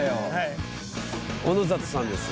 小野里さんです。